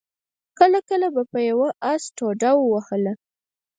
کله کله به يوه آس ټوډه ووهله.